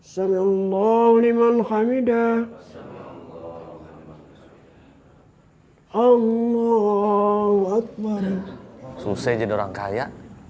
susah jadi orang kaya